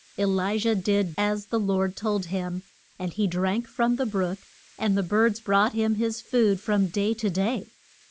E li jah did as the Lord told him, and he drank from the brook, and the birds brought him his food from day to day.